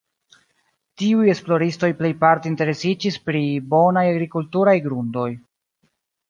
Tiuj esploristoj plejparte interesiĝis pri bonaj agrikulturaj grundoj.